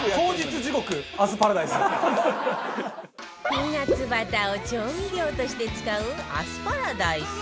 ピーナッツバターを調味料として使うアスパラダイス？